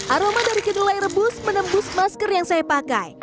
aroma dari kedelai rebus menembus masker yang saya pakai